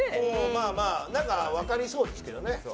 まあまあなんかわかりそうですけどね。